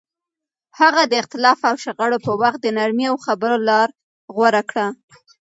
هغه د اختلاف او شخړو په وخت د نرمۍ او خبرو لار غوره کړه.